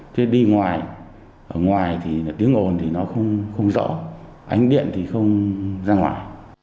thì đi ngoài ở ngoài thì tiếng ồn nó không rõ ánh điện thì không ra ngoài